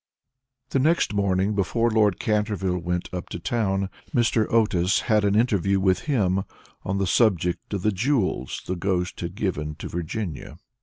The next morning, before Lord Canterville went up to town, Mr. Otis had an interview with him on the subject of the jewels the ghost had given to Virginia.